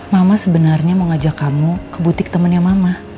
mama sebenarnya mau ngajak kamu ke butik temannya mama